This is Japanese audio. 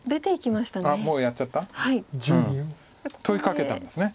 問いかけたんです。